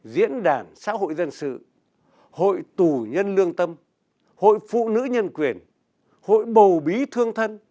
diễn đàn xã hội dân sự hội tù nhân lương tâm hội phụ nữ nhân quyền hội bầu bí thương thân